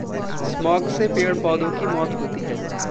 Smog से पेड़-पौधों की मौत होती है।